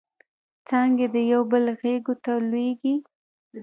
څانګې د یوبل غیږو ته لویږي